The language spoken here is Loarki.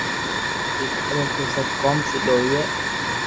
ايم ڪرو تو سب ڪوم سود ھوئي